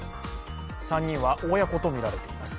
３人は親子とみられています。